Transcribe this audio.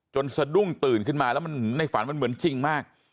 สะดุ้งตื่นขึ้นมาแล้วในฝันมันเหมือนจริงมาก